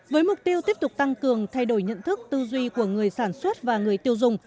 với mục tiêu tiếp tục tăng cường thay đổi nhận thức tư duy của người sản xuất và người tiêu dùng